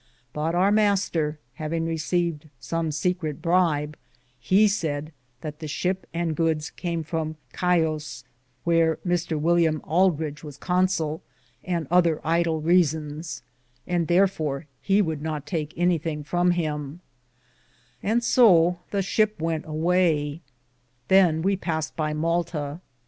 But our Mr. having recaved som secrite bribe, he sayed that the shipe and good came from Sio,^ wheare Mr. Willyam Auld ridge was consell, with other idle reasons, and tharfore he would not take anythinge from him ; and so the ship went awaye. Than we paste by Malta.